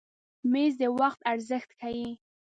مېز د وخت ارزښت ښیي.